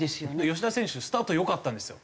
吉田選手スタート良かったんですよ。